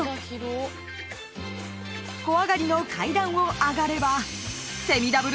［小上がりの階段を上がれば］